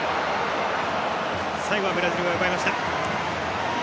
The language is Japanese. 最後はブラジルが奪いました。